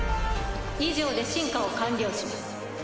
以上で進化を完了します。